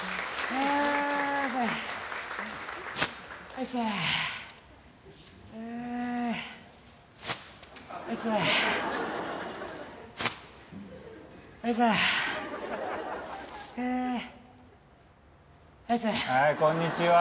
はいこんにちは。